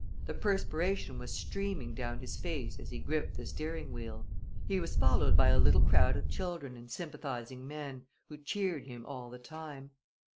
The perspiration was streaming down his face as he gripped the steering wheel. He was followed by a little crowd of children and sympathizing men, who cheered him all the time.